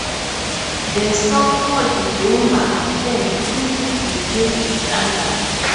The so-called 'Dumba Affair' quickly became a scandal.